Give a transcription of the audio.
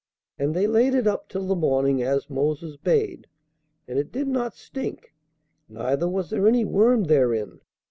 And they laid it up till the morning, as Moses bade; and it did not stink, neither was there any worm therein.